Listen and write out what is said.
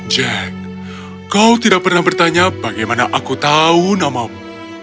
jack kau tidak pernah bertanya bagaimana aku tahu namamu